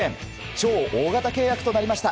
超大型契約となりました。